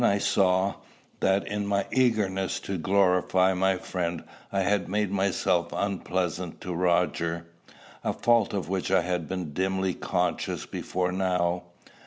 Then I saw, that, in my eagerness to glorify my friend, I had made myself unpleasant to Roger, a fault of which I had been dimly conscious before now.